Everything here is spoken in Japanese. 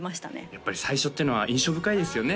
やっぱり最初っていうのは印象深いですよね